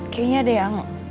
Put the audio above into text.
kayaknya ada yang